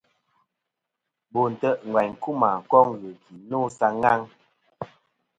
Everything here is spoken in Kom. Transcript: Bo ntè' ngvaynkuma koŋ ghɨki no sa ghaŋ.